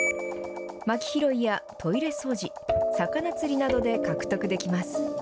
まき拾いやトイレ掃除魚釣りなどで獲得できます。